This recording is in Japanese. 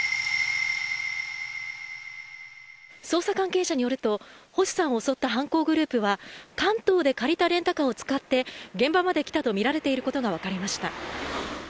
捜査関係者によると星さんを襲った犯行グループは関東で借りたレンタカーを使って現場まで来ていたとみられることがわかりました。